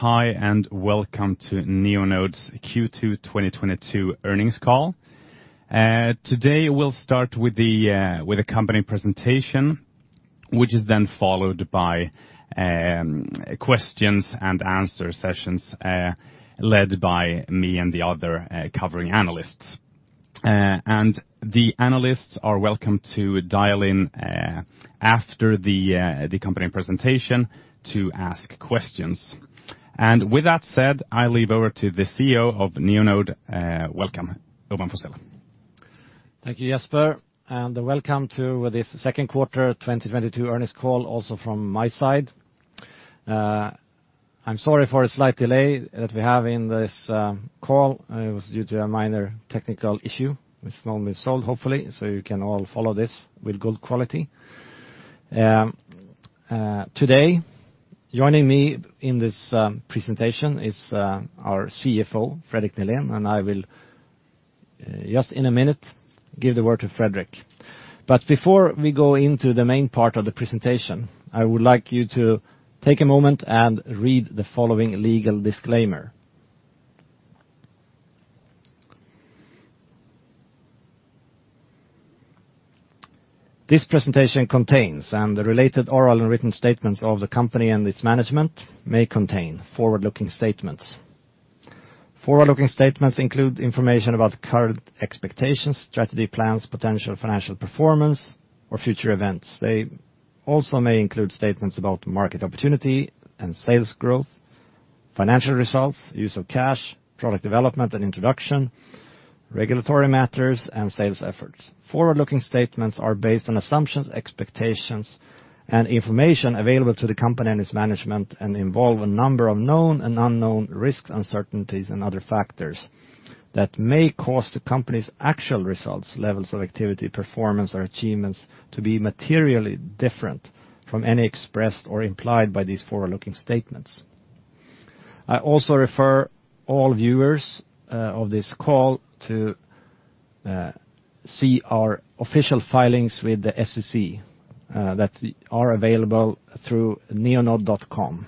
Hi, welcome to Neonode's Q2 2022 earnings call. Today we'll start with the company presentation, which is then followed by questions and answer sessions, led by me and the other covering analysts. The analysts are welcome to dial in after the company presentation to ask questions. With that said, I leave over to the CEO of Neonode. Welcome, Urban Forssell. Thank you, Jesper, and welcome to this Q2 2022 earnings call also from my side. I'm sorry for a slight delay that we have in this call. It was due to a minor technical issue which is normally solved, hopefully, so you can all follow this with good quality. Today, joining me in this presentation is our CFO, Fredrik Nihlén, and I will just in a minute, give the word to Fredrik. Before we go into the main part of the presentation, I would like you to take a moment and read the following legal disclaimer. This presentation contains, and the related oral and written statements of the company and its management may contain forward-looking statements. Forward-looking statements include information about current expectations, strategy plans, potential financial performance, or future events. They also may include statements about market opportunity and sales growth, financial results, use of cash, product development and introduction, regulatory matters, and sales efforts. Forward-looking statements are based on assumptions, expectations, and information available to the company and its management and involve a number of known and unknown risks, uncertainties, and other factors that may cause the company's actual results, levels of activity, performance, or achievements to be materially different from any expressed or implied by these forward-looking statements. I also refer all viewers of this call to see our official filings with the SEC that are available through neonode.com.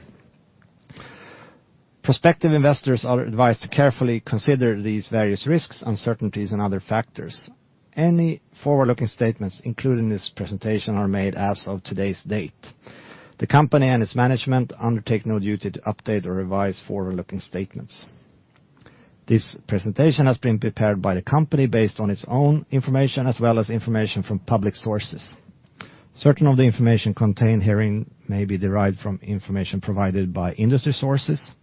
Prospective investors are advised to carefully consider these various risks, uncertainties, and other factors. Any forward-looking statements included in this presentation are made as of today's date. The company and its management undertake no duty to update or revise forward-looking statements. This presentation has been prepared by the company based on its own information as well as information from public sources. Certain of the information contained herein may be derived from information provided by industry sources.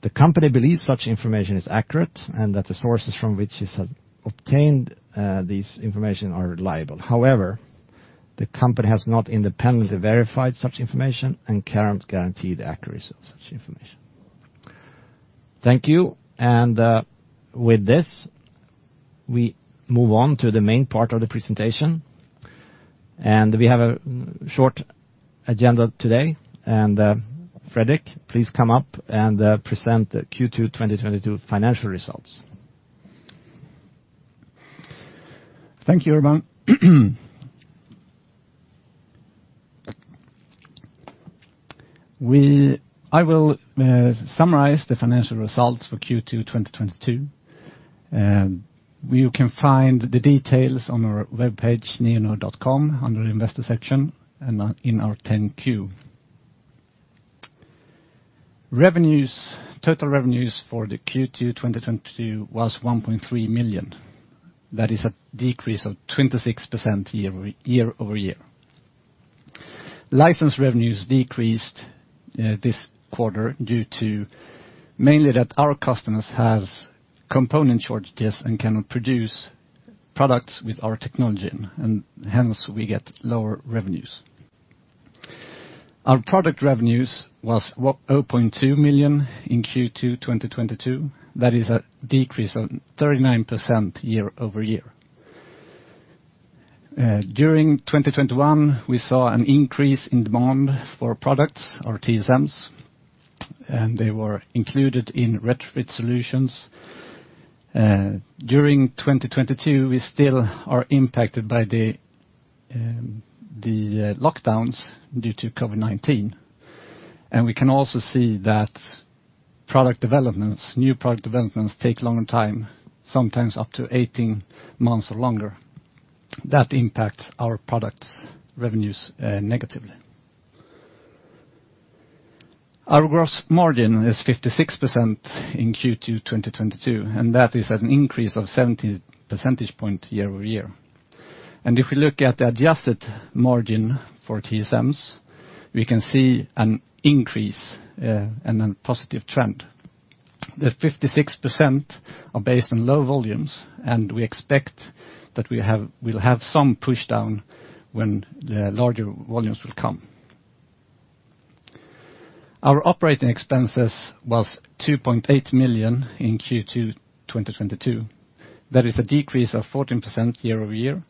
The company believes such information is accurate and that the sources from which it has obtained this information are reliable. However, the company has not independently verified such information and cannot guarantee the accuracy of such information. Thank you. With this, we move on to the main part of the presentation. We have a short agenda today. Fredrik, please come up and present the Q2 2022 financial results. Thank you, Urban. I will summarize the financial results for Q2 2022. You can find the details on our webpage, neonode.com, under Investor section and in our 10-Q. Revenues, total revenues for the Q2 2022 was $1.3 million. That is a decrease of 26% year-over-year. License revenues decreased this quarter due to mainly that our customers has component shortages and cannot produce products with our technology, and hence we get lower revenues. Our product revenues was what? $0.2 million in Q2 2022. That is a decrease of 39% year-over-year. During 2021, we saw an increase in demand for products or TSMs, and they were included in retrofit solutions. During 2022, we still are impacted by the lockdowns due to COVID-19. We can also see that product developments, new product developments take a longer time, sometimes up to 18 months or longer. That impact our products revenues negatively. Our gross margin is 56% in Q2 2022, and that is an increase of 70 percentage point year-over-year. If we look at the adjusted margin for TSMs, we can see an increase and a positive trend. The 56% are based on low volumes, and we expect that we'll have some pushdown when the larger volumes will come. Our operating expenses was $2.8 million in Q2 2022. That is a decrease of 14% year-over-year.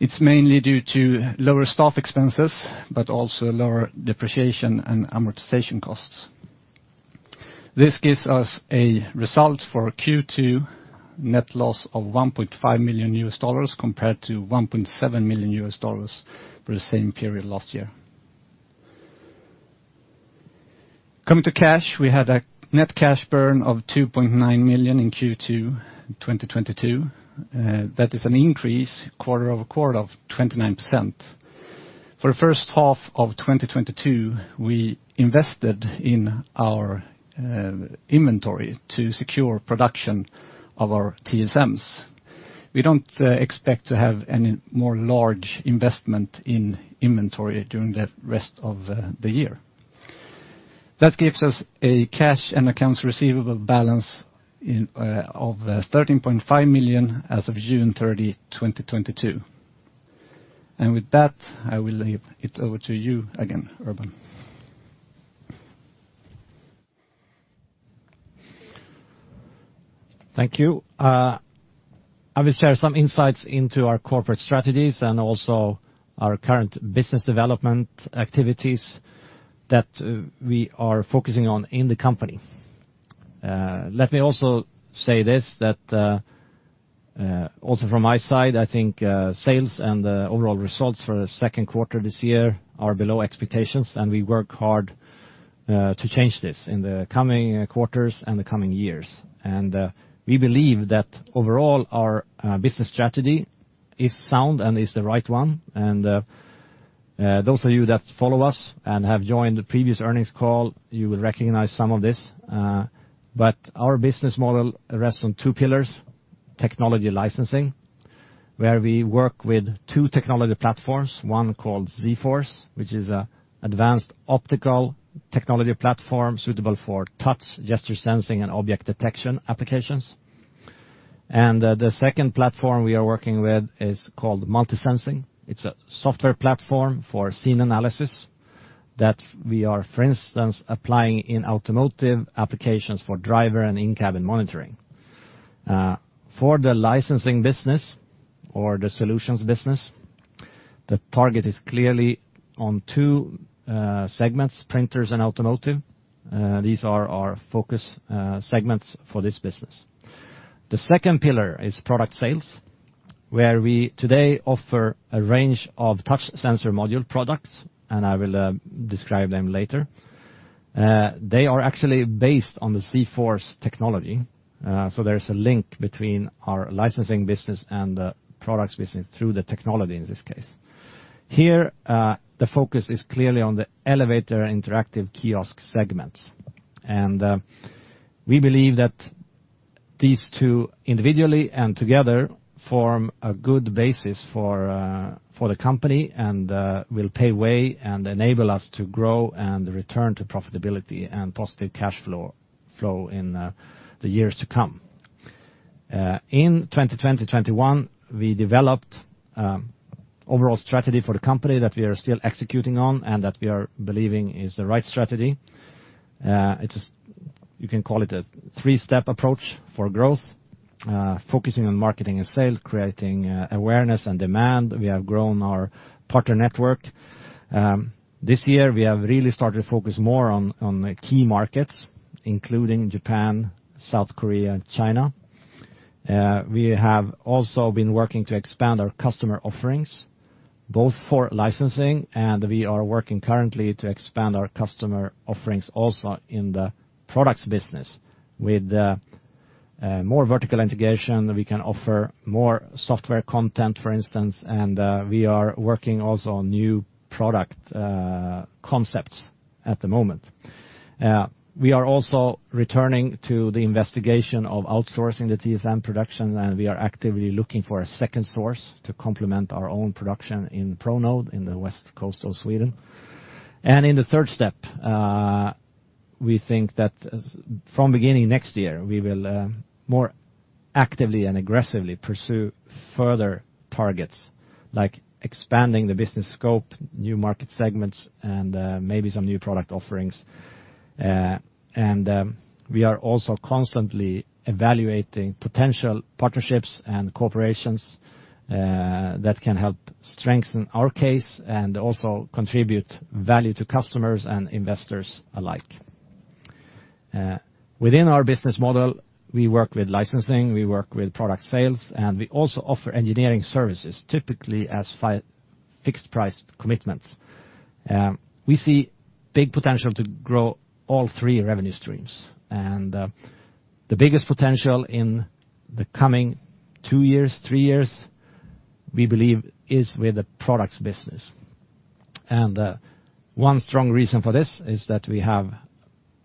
It's mainly due to lower staff expenses, but also lower depreciation and amortization costs. This gives us a result for Q2 net loss of $1.5 million compared to $1.7 million for the same period last year. Coming to cash, we had a net cash burn of $2.9 million in Q2 2022, that is an increase quarter-over-quarter of 29%. For the H1 of 2022, we invested in our inventory to secure production of our TSMs. We don't expect to have any more large investment in inventory during the rest of the year. That gives us a cash and accounts receivable balance of $13.5 million as of 30 June 2022. With that, I will leave it over to you again, Urban. Thank you. I will share some insights into our corporate strategies and also our current business development activities that we are focusing on in the company. Let me also say this, that also from my side, I think sales and overall results for the Q2 this year are below expectations, and we work hard to change this in the coming quarters and the coming years. We believe that overall our business strategy is sound and is the right one. Those of you that follow us and have joined the previous earnings call, you will recognize some of this. Our business model rests on two pillars: technology licensing, where we work with two technology platforms, one called zForce, which is an advanced optical technology platform suitable for touch, gesture sensing, and object detection applications. The second platform we are working with is called MultiSensing. It's a software platform for scene analysis that we are, for instance, applying in automotive applications for driver and in-cabin monitoring. For the licensing business or the solutions business, the target is clearly on two segments, printers and automotive. These are our focus segments for this business. The second pillar is product sales, where we today offer a range of touch sensor module products, and I will describe them later. They are actually based on the zForce technology, so there's a link between our licensing business and the products business through the technology in this case. Here, the focus is clearly on the elevator interactive kiosk segments. We believe that these two, individually and together, form a good basis for the company and will pave way and enable us to grow and return to profitability and positive cash flow in the years to come. In 2020, 2021, we developed overall strategy for the company that we are still executing on and that we are believing is the right strategy. It is, you can call it a three-step approach for growth, focusing on marketing and sales, creating awareness and demand. We have grown our partner network. This year, we have really started to focus more on the key markets, including Japan, South Korea, and China. We have also been working to expand our customer offerings, both for licensing, and we are working currently to expand our customer offerings also in the products business. With more vertical integration, we can offer more software content, for instance, and we are working also on new product concepts at the moment. We are also returning to the investigation of outsourcing the TSM production, and we are actively looking for a second source to complement our own production in Neonode in the West Coast of Sweden. In the third step, we think that from beginning next year, we will more actively and aggressively pursue further targets, like expanding the business scope, new market segments, and maybe some new product offerings. We are also constantly evaluating potential partnerships and corporations that can help strengthen our case and also contribute value to customers and investors alike. Within our business model, we work with licensing, we work with product sales, and we also offer engineering services, typically as fixed price commitments. We see big potential to grow all three revenue streams. The biggest potential in the coming two years, three years, we believe is with the products business. One strong reason for this is that we have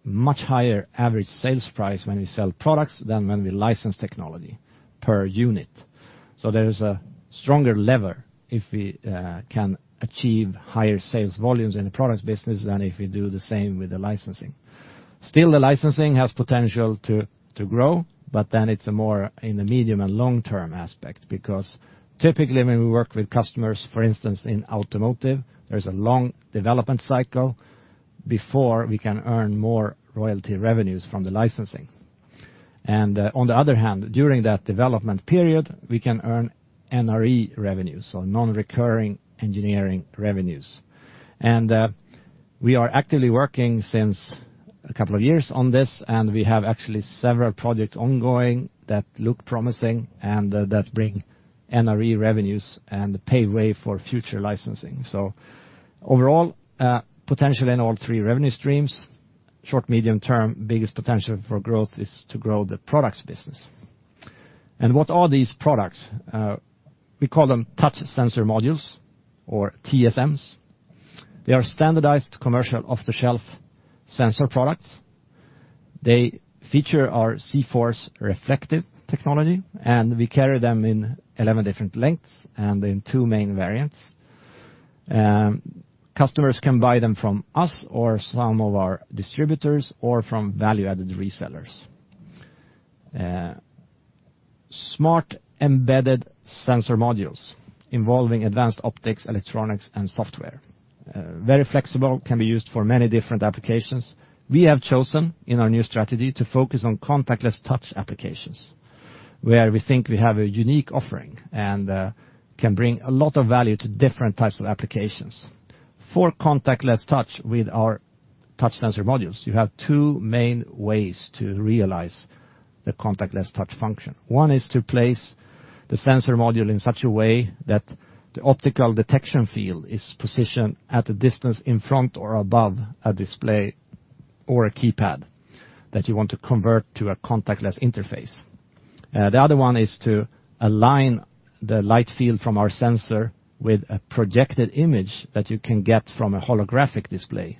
much higher average sales price when we sell products than when we license technology per unit. There is a stronger lever if we can achieve higher sales volumes in the products business than if we do the same with the licensing. Still, the licensing has potential to grow, but then it's a more in the medium and long-term aspect. Because typically when we work with customers, for instance, in automotive, there's a long development cycle before we can earn more royalty revenues from the licensing. On the other hand, during that development period, we can earn NRE revenues or non-recurring engineering revenues. We are actively working since a couple of years on this, and we have actually several projects ongoing that look promising and that bring NRE revenues and pave way for future licensing. Overall, potential in all three revenue streams, short, medium term, biggest potential for growth is to grow the products business. What are these products? We call them Touch Sensor Modules or TSMs. They are standardized commercial off-the-shelf sensor products. They feature our zForce reflective technology, and we carry them in 11 different lengths and in two main variants. Customers can buy them from us or some of our distributors or from value-added resellers. Smart embedded sensor modules involving advanced optics, electronics and software. Very flexible, can be used for many different applications. We have chosen in our new strategy to focus on contactless touch applications, where we think we have a unique offering and can bring a lot of value to different types of applications. For contactless touch with our Touch Sensor Modules, you have two main ways to realize the contactless touch function. One is to place the sensor module in such a way that the optical detection field is positioned at a distance in front or above a display or a keypad that you want to convert to a contactless interface. The other one is to align the light field from our sensor with a projected image that you can get from a holographic display,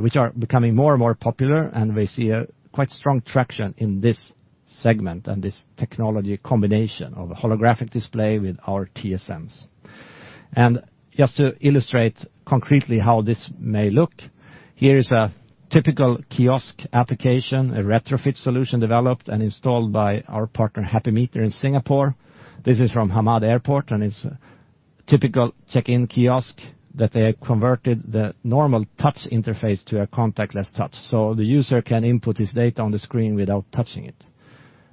which are becoming more and more popular, and we see a quite strong traction in this segment and this technology combination of a holographic display with our TSMs. Just to illustrate concretely how this may look, here is a typical kiosk application, a retrofit solution developed and installed by our partner Happymeter in Singapore. This is from Hamad Airport, and it's a typical check-in kiosk that they converted the normal touch interface to a contactless touch. The user can input his data on the screen without touching it.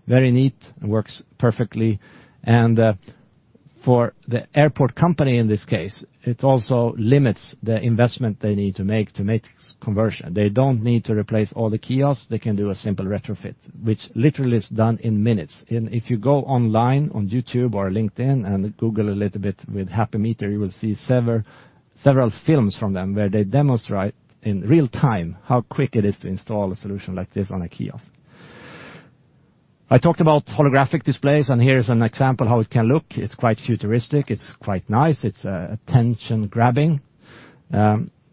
Very neat, works perfectly. For the airport company, in this case, it also limits the investment they need to make to make this conversion. They don't need to replace all the kiosks. They can do a simple retrofit, which literally is done in minutes. If you go online on YouTube or LinkedIn and Google a little bit with Happymeter, you will see several films from them where they demonstrate in real-time how quick it is to install a solution like this on a kiosk. I talked about holographic displays, and here is an example how it can look. It's quite futuristic, it's quite nice, it's attention-grabbing.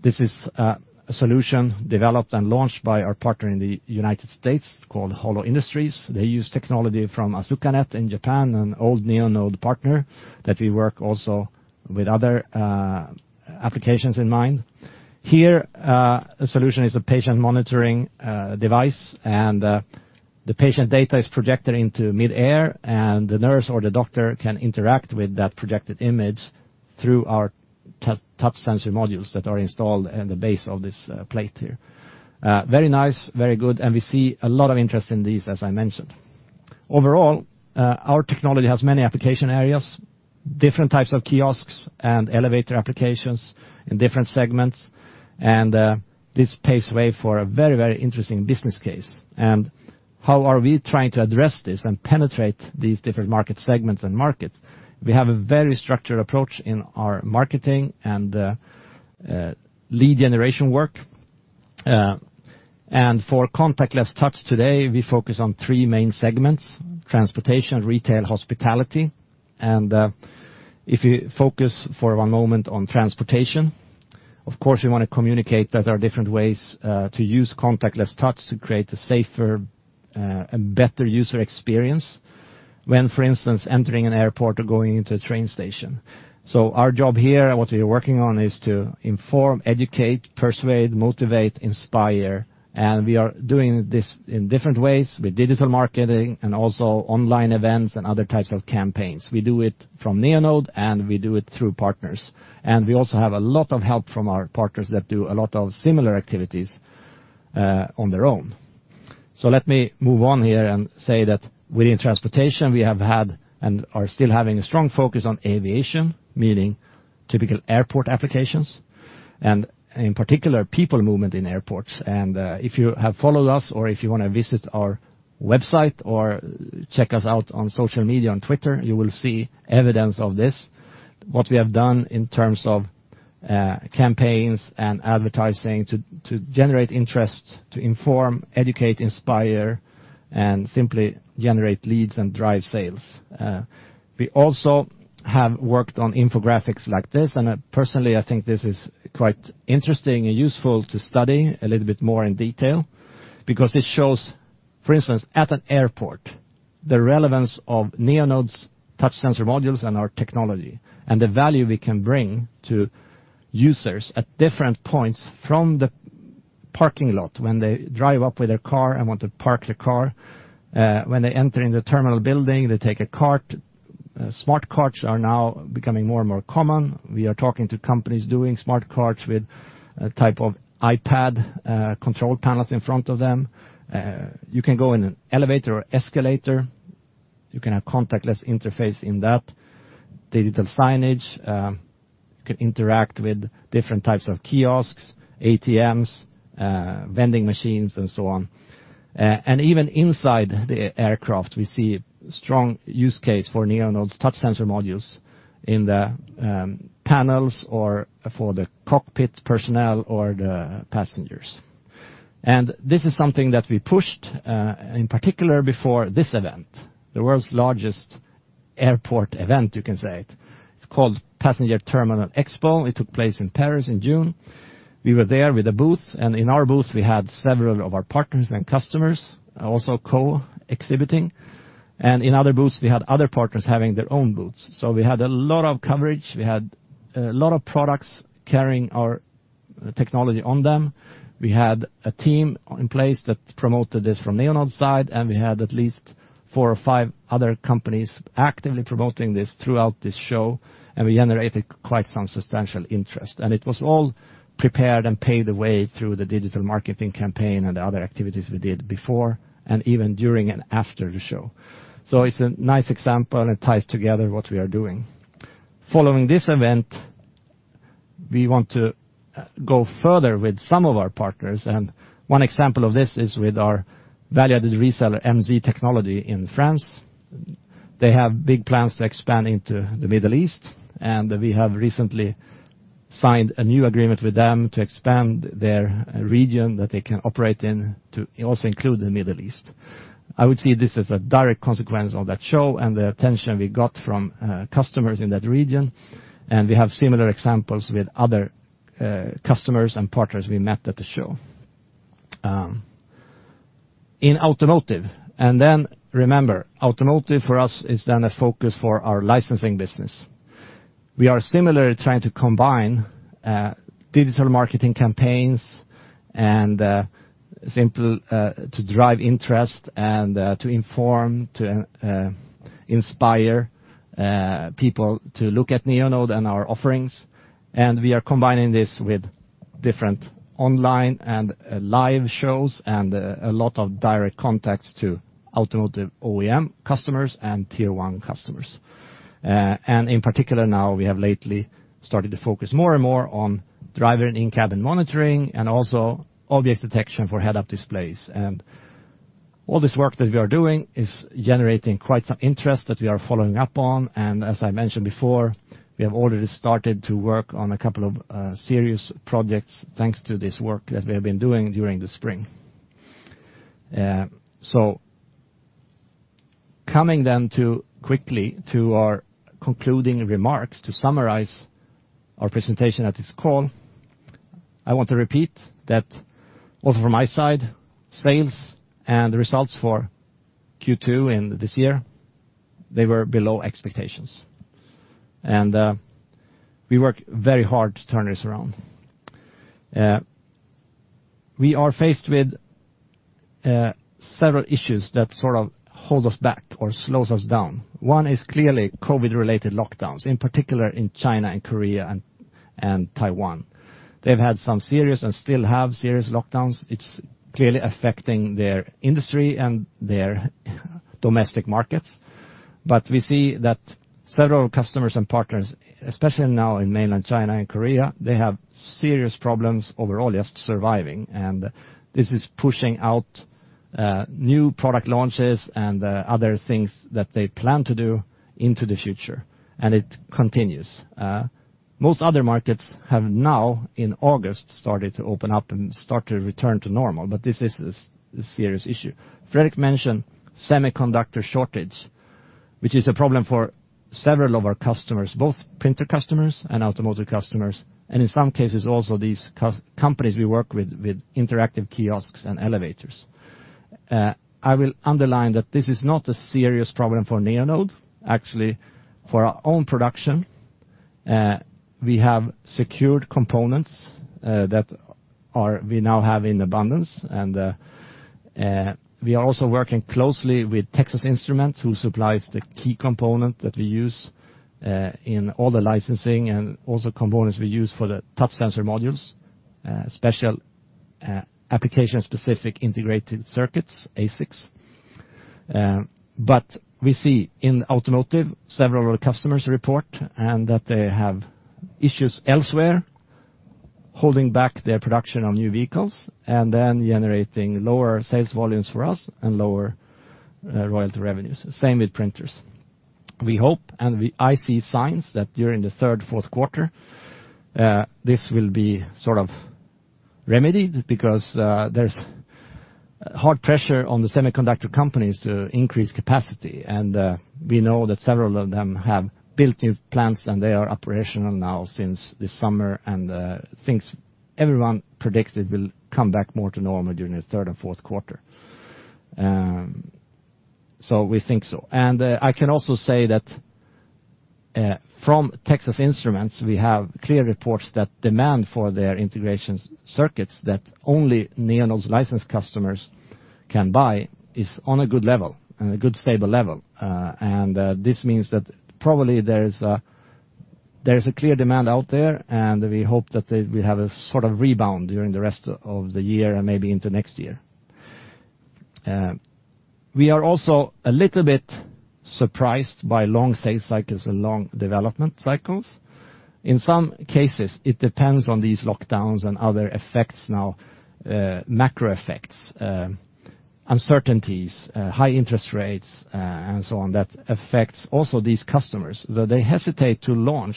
This is a solution developed and launched by our partner in the United States called Holo Industries. They use technology from Asukanet in Japan, an old Neonode partner that we work also with other applications in mind. Here, a solution is a patient monitoring device, and the patient data is projected into midair, and the nurse or the doctor can interact with that projected image through our Touch Sensor Modules that are installed in the base of this plate here. Very nice, very good, and we see a lot of interest in these, as I mentioned. Overall, our technology has many application areas, different types of kiosks and elevator applications in different segments. This paves way for a very, very interesting business case. How are we trying to address this and penetrate these different market segments and markets? We have a very structured approach in our marketing and lead generation work. For contactless touch today, we focus on three main segments, transportation, retail, hospitality. If you focus for one moment on transportation, of course, we wanna communicate that there are different ways to use contactless touch to create a safer and better user experience when, for instance, entering an airport or going into a train station. Our job here, what we are working on, is to inform, educate, persuade, motivate, inspire. We are doing this in different ways with digital marketing and also online events and other types of campaigns. We do it from Neonode, and we do it through partners. We also have a lot of help from our partners that do a lot of similar activities on their own. Let me move on here and say that within transportation, we have had and are still having a strong focus on aviation, meaning typical airport applications, and in particular, people movement in airports. If you have followed us or if you wanna visit our website or check us out on social media, on Twitter, you will see evidence of this, what we have done in terms of, campaigns and advertising to generate interest, to inform, educate, inspire, and simply generate leads and drive sales. We also have worked on infographics like this, and personally, I think this is quite interesting and useful to study a little bit more in detail because it shows, for instance, at an airport, the relevance of Neonode's Touch Sensor Modules and our technology and the value we can bring to users at different points from the parking lot when they drive up with their car and want to park their car, when they enter in the terminal building, they take a card, smart cards are now becoming more and more common. We are talking to companies doing smart cards with a type of iPad control panels in front of them. You can go in an elevator or escalator, you can have contactless interface in that. Digital signage, you can interact with different types of kiosks, ATMs, vending machines, and so on. Even inside the aircraft, we see strong use case for Neonode's touch sensor modules in the, panels or for the cockpit personnel or the passengers. This is something that we pushed, in particular before this event, the world's largest airport event, you can say. It's called Passenger Terminal Expo, it took place in Paris in June. We were there with a booth, and in our booth, we had several of our partners and customers also co-exhibiting and in other booths, we had other partners having their own booths, so we had a lot of coverage. We had a lot of products carrying our technology on them. We had a team in place that promoted this from Neonode's side, and we had at least four or five other companies actively promoting this throughout this show, and we generated quite some substantial interest. And it was all prepared and paved the way through the digital marketing campaign and the other activities we did before and even during and after the show. It's a nice example, and it ties together what we are doing. Following this event, we want to go further with some of our partners, and one example of this is with our valued reseller, MZ Technologie in France. They have big plans to expand into the Middle East, and we have recently signed a new agreement with them to expand their region that they can operate in to also include the Middle East. I would see this as a direct consequence of that show and the attention we got from customers in that region, and we have similar examples with other customers and partners we met at the show. In automotive, remember, automotive for us is a focus for our licensing business. We are similarly trying to combine digital marketing campaigns and simple to drive interest and to inform, to inspire people to look at Neonode and our offerings. We are combining this with different online and live shows and a lot of direct contacts to automotive OEM customers and Tier 1 customers. In particular now, we have lately started to focus more and more on driver and in-cabin monitoring and also object detection for head-up displays. All this work that we are doing is generating quite some interest that we are following up on. As I mentioned before, we have already started to work on a couple of serious projects, thanks to this work that we have been doing during the spring. Coming then to quickly to our concluding remarks, to summarize our presentation at this call, I want to repeat that also from my side, sales and the results for Q2 in this year, they were below expectations. We work very hard to turn this around. We are faced with several issues that sort of hold us back or slows us down. One is clearly COVID-related lockdowns, in particular in China and Korea and Taiwan. They've had some serious and still have serious lockdowns. It's clearly affecting their industry and their domestic markets. We see that several customers and partners, especially now in Mainland China and Korea, they have serious problems overall just surviving. This is pushing out new product launches and other things that they plan to do into the future, and it continues. Most other markets have now in August started to open up and start to return to normal, but this is a serious issue. Fredrik mentioned semiconductor shortage, which is a problem for several of our customers, both printer customers and automotive customers, and in some cases, also these companies we work with interactive kiosks and elevators. I will underline that this is not a serious problem for Neonode. Actually, for our own production, we have secured components that we now have in abundance. We are also working closely with Texas Instruments, who supplies the key component that we use in all the licensing and also components we use for the Touch Sensor Modules, special application-specific integrated circuits, ASICs. We see in automotive, several of our customers report and that they have issues elsewhere, holding back their production on new vehicles and then generating lower sales volumes for us and lower royalty revenues. Same with printers. We hope. I see signs that during the Q3, Q4, this will be sort of remedied because there's hard pressure on the semiconductor companies to increase capacity. We know that several of them have built new plants, and they are operational now since this summer, and things everyone predicted will come back more to normal during the Q3 and Q4. We think so. I can also say that from Texas Instruments, we have clear reports that demand for their integrated circuits that only Neonode's licensed customers can buy is on a good level, on a good stable level. This means that probably there is a clear demand out there, and we hope that they will have a sort of rebound during the rest of the year and maybe into next year. We are also a little bit surprised by long sales cycles and long development cycles. In some cases, it depends on these lockdowns and other effects now, macro effects, uncertainties, high interest rates, and so on that affects also these customers, that they hesitate to launch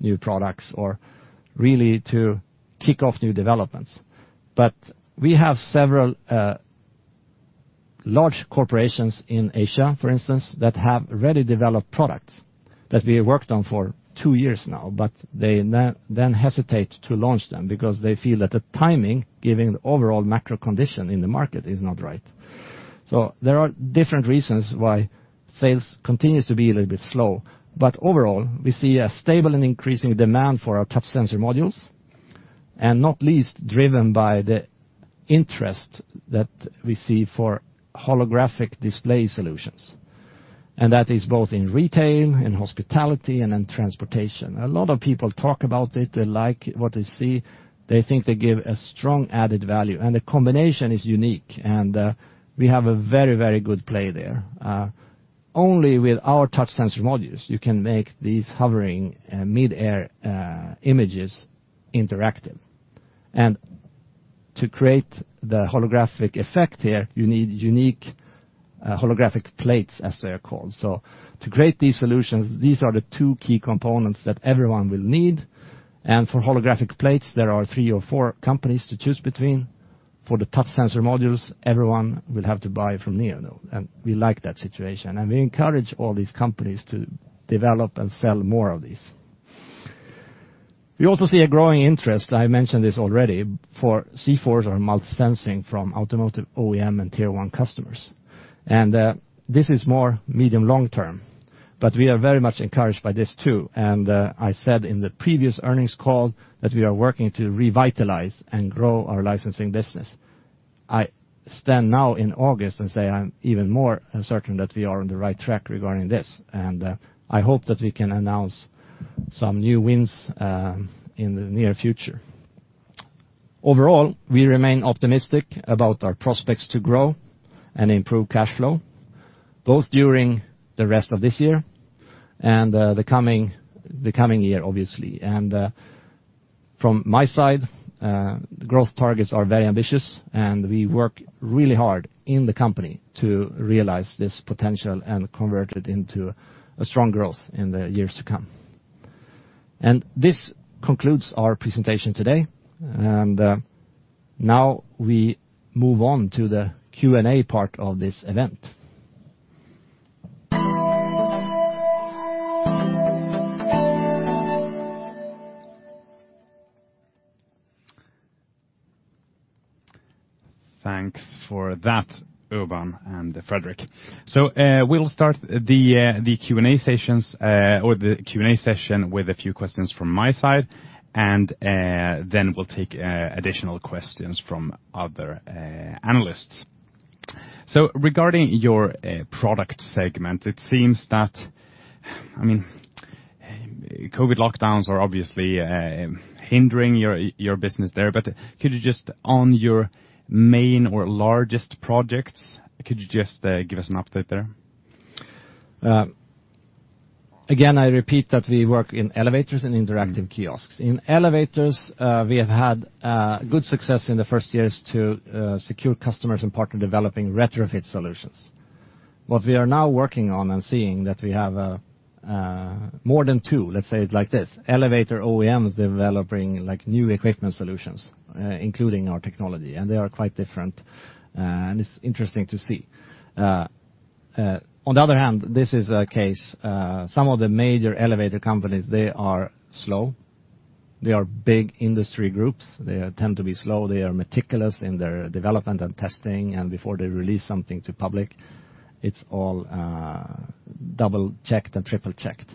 new products or really to kick off new developments. We have several large corporations in Asia, for instance, that have already developed products that we worked on for two years now, but they then hesitate to launch them because they feel that the timing, given the overall macro condition in the market, is not right. There are different reasons why sales continues to be a little bit slow. Overall, we see a stable and increasing demand for our Touch Sensor Modules, and not least driven by the interest that we see for holographic display solutions. That is both in retail, in hospitality, and in transportation. A lot of people talk about it, they like what they see, they think they give a strong added value, and the combination is unique. We have a very, very good play there. Only with our Touch Sensor Modules, you can make these hovering, midair, images interactive. To create the holographic effect here, you need unique, holographic plates, as they are called. To create these solutions, these are the two key components that everyone will need. For holographic plates, there are three or four companies to choose between for the Touch Sensor Modules, everyone will have to buy from Neonode, and we like that situation. We encourage all these companies to develop and sell more of these. We also see a growing interest, I mentioned this already, for zForce or MultiSensing from automotive OEM and Tier 1 customers. This is more medium long term, but we are very much encouraged by this too. I said in the previous earnings call that we are working to revitalize and grow our licensing business. I stand now in August and say I'm even more certain that we are on the right track regarding this. I hope that we can announce some new wins in the near future. Overall, we remain optimistic about our prospects to grow and improve cash flow, both during the rest of this year and the coming year, obviously. From my side, growth targets are very ambitious, and we work really hard in the company to realize this potential and convert it into a strong growth in the years to come. This concludes our presentation today. Now we move on to the Q&A part of this event. Thanks for that, Urban and Fredrik. We'll start the Q&A session with a few questions from my side, and then we'll take additional questions from other analysts. Regarding your product segment, it seems that, I mean, COVID lockdowns are obviously hindering your business there, but could you just on your main or largest projects give us an update there? Again, I repeat that we work in elevators and interactive kiosks. In elevators, we have had good success in the first years to secure customers and partner developing retrofit solutions. What we are now working on and seeing that we have more than two, let's say it like this, elevator OEMs developing like new equipment solutions including our technology, and they are quite different, and it's interesting to see. On the other hand, this is a case some of the major elevator companies, they are slow. They are big industry groups. They tend to be slow. They are meticulous in their development and testing. Before they release something to public, it's all double-checked and triple-checked.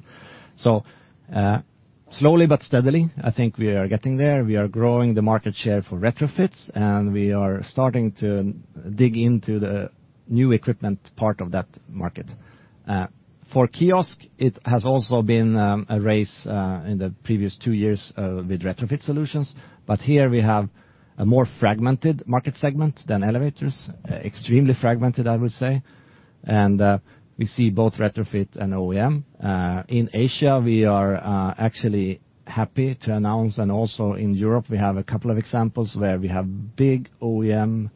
Slowly but steadily, I think we are getting there. We are growing the market share for retrofits, and we are starting to dig into the new equipment part of that market. For kiosk, it has also been a race in the previous two years with retrofit solutions. Here we have a more fragmented market segment than elevators, extremely fragmented, I would say. We see both retrofit and OEM. In Asia, we are actually happy to announce, and also in Europe, we have a couple of examples where we have big OEM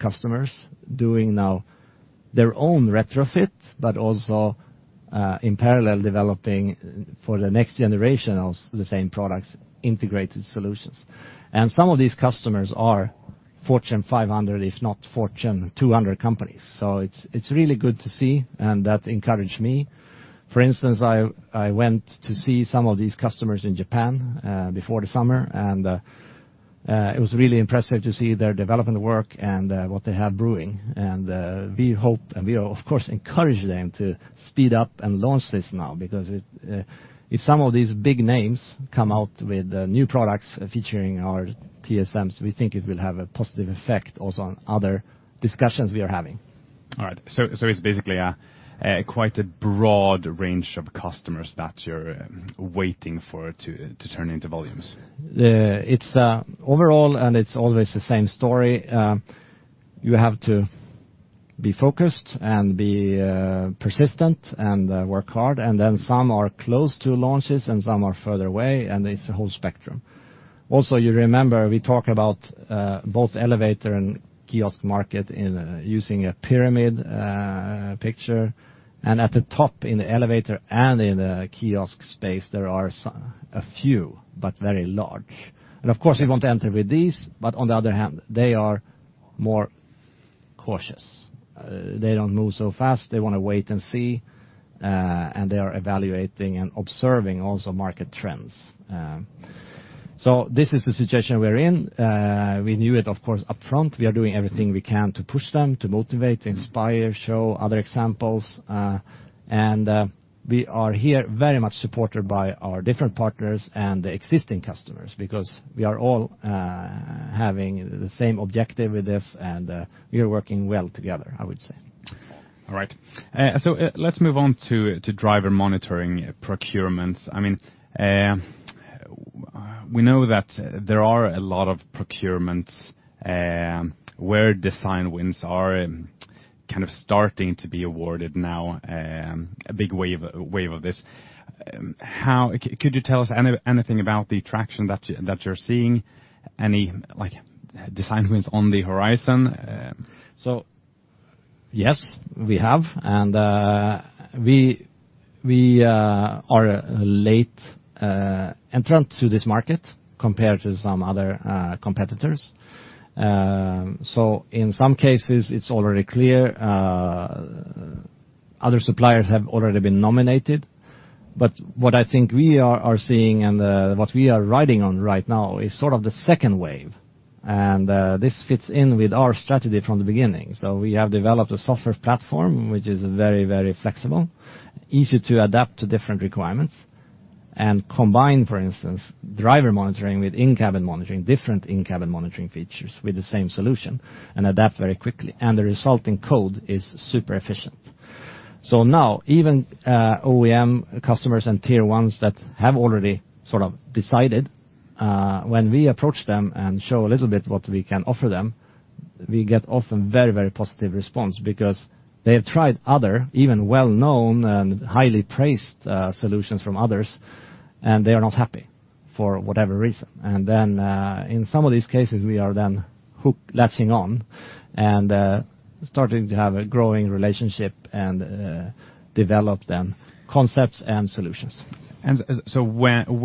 customers doing now their own retrofit, but also in parallel developing for the next generation of the same products, integrated solutions. Some of these customers are Fortune 500, if not Fortune 200 companies. It's really good to see, and that encourage me. For instance, I went to see some of these customers in Japan before the summer. It was really impressive to see their development work and what they have brewing. We hope and we of course encourage them to speed up and launch this now because if some of these big names come out with new products featuring our TSMs, we think it will have a positive effect also on other discussions we are having. All right. It's basically a quite broad range of customers that you're waiting for to turn into volumes. It's overall, and it's always the same story, you have to be focused and be persistent and work hard, and then some are close to launches and some are further away, and it's a whole spectrum. Also, you remember we talk about both elevator and kiosk market in using a pyramid picture. At the top in the elevator and in the kiosk space, there are a few but very large. Of course, we want to enter with these, but on the other hand, they are more cautious. They don't move so fast, they wanna wait and see, and they are evaluating and observing also market trends. This is the situation we're in. We knew it, of course, up front. We are doing everything we can to push them, to motivate, inspire, show other examples, and we are here very much supported by our different partners and the existing customers because we are all having the same objective with this and we are working well together, I would say. All right. Let's move on to driver monitoring procurements. I mean, we know that there are a lot of procurements where design wins are kind of starting to be awarded now, a big wave of this. How could you tell us anything about the traction that you're seeing? Any, like, design wins on the horizon? Yes, we have and we are late entrant to this market compared to some other competitors. In some cases, it's already clear other suppliers have already been nominated. What I think we are seeing and what we are riding on right now is sort of the second wave, and this fits in with our strategy from the beginning. We have developed a software platform which is very, very flexible, easy to adapt to different requirements, and combine, for instance, driver monitoring with in-cabin monitoring, different in-cabin monitoring features with the same solution and adapt very quickly, and the resulting code is super efficient. Now even OEM customers and Tier 1s that have already sort of decided when we approach them and show a little bit what we can offer them, we get often very, very positive response because they have tried other, even well-known and highly praised solutions from others, and they are not happy for whatever reason. In some of these cases, we are then latching on and starting to have a growing relationship and develop then concepts and solutions.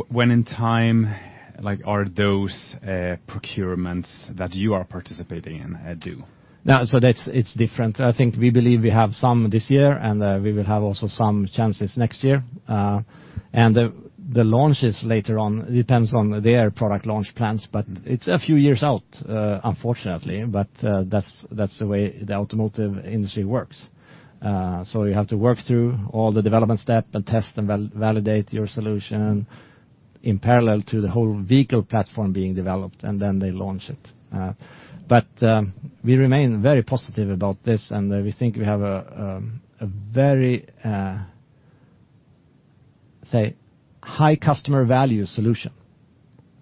When in time, like, are those procurements that you are participating in due? No. That's it. It's different. I think we believe we have some this year, and we will have also some chances next year, and the launch is later on. Depends on their product launch plans, but it's a few years out, unfortunately, but that's the way the automotive industry works. You have to work through all the development step and test and validate your solution in parallel to the whole vehicle platform being developed, and then they launch it. We remain very positive about this, and we think we have a very, say, high customer value solution.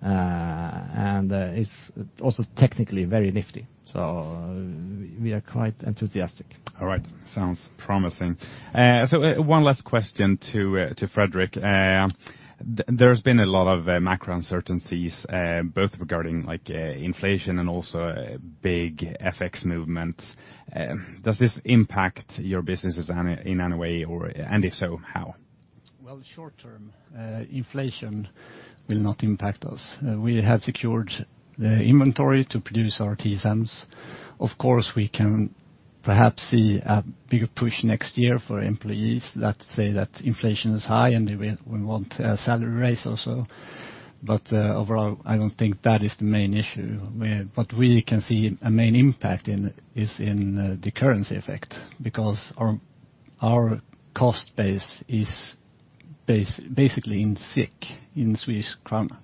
It's also technically very nifty. We are quite enthusiastic. All right. Sounds promising. One last question to Fredrik. There's been a lot of macro uncertainties both regarding like inflation and also big FX movements. Does this impact your businesses in any way or and if so, how? Well, short term, inflation will not impact us. We have secured the inventory to produce our TSMs. Of course, we can perhaps see a bigger push next year for employees that say that inflation is high and we want a salary raise also. But overall, I don't think that is the main issue. What we can see a main impact in is in the currency effect because our cost base is basically in SEK, in Swedish krona.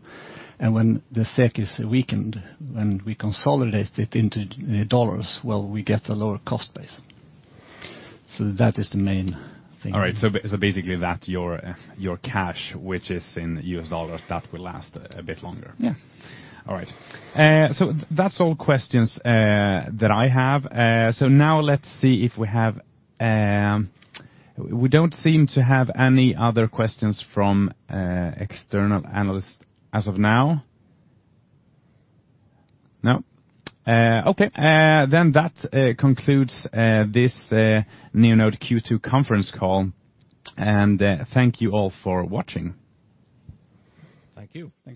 When the SEK is weakened, when we consolidate it into dollars, well, we get a lower cost base. That is the main thing. All right. Basically, your cash, which is in U.S. dollars, will last a bit longer. Yeah. All right. That's all questions that I have. Now let's see if we have. We don't seem to have any other questions from external analysts as of now. No? Okay. That concludes this Neonode Q2 conference call. Thank you all for watching. Thank you. Thank you.